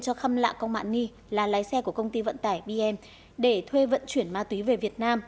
cho khâm lạ công bạn ni là lái xe của công ty vận tải bm để thuê vận chuyển ma túy về việt nam